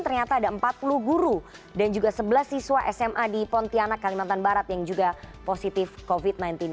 ternyata ada empat puluh guru dan juga sebelas siswa sma di pontianak kalimantan barat yang juga positif covid sembilan belas